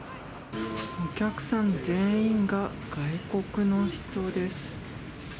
お客さん全員が外国の人です。